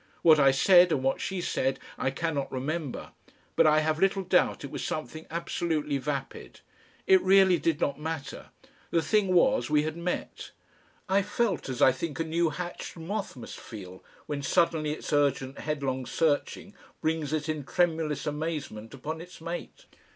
What I said and what she said I cannot remember, but I have little doubt it was something absolutely vapid. It really did not matter; the thing was we had met. I felt as I think a new hatched moth must feel when suddenly its urgent headlong searching brings it in tremulous amazement upon its mate.